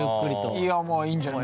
いやまあいいんじゃない？